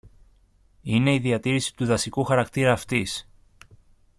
είναι η διατήρηση του δασικού χαρακτήρα αυτής